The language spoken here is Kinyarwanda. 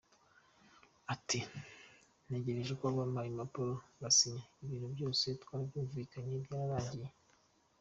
Ati "Ntegereje ko bampa impapuro ngasinya, ibintu byose twarabyumvikanye, byararangiye.